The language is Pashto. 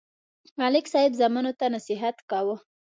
ملک صاحب زامنو ته نصحت کاوه